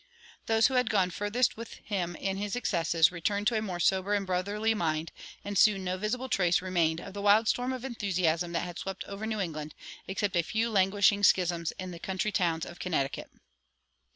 Those who had gone furthest with him in his excesses returned to a more sober and brotherly mind, and soon no visible trace remained of the wild storm of enthusiasm that had swept over New England, except a few languishing schisms in country towns of Connecticut.